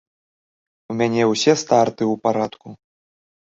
У мяне ўсе старты ў парадку.